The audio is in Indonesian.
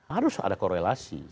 harus ada korelasi